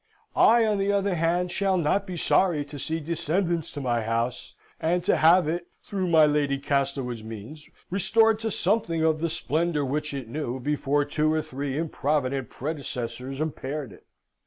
I, on the other hand, shall not be sorry to see descendants to my house, and to have it, through my Lady Castlewood's means, restored to something of the splendour which it knew before two or three improvident predecessors impaired it.